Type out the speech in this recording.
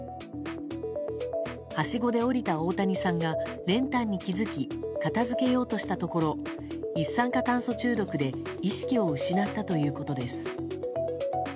はしごで降りた大谷さんが練炭に気づき片付けようとしたところ一酸化炭素中毒で意識を失ったということです。